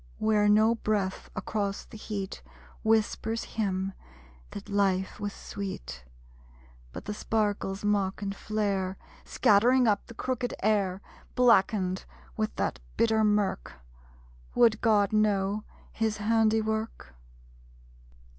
Where no breath across the heat Whispers him that life was sweet; But the sparkles mock and flare, Scattering up the crooked air. (Blackened with that bitter mirk, Would God know His handiwork?)